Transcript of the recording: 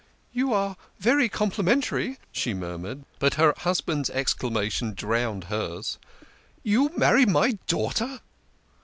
"You are very complimentary," she murmured, but her husband's exclamation drowned hers, " You marry my daughter